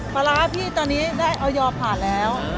ปราพี่ตอนนี้ได้อยอมผ่านแล้ว